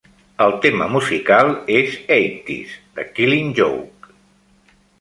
El tema musical és "Eighties" de Killing Joke.